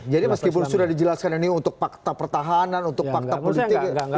jadi meskipun sudah dijelaskan ini untuk fakta pertahanan untuk fakta politik